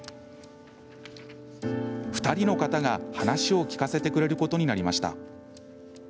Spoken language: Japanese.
２人の方が、話を聞かせてくれることになりました。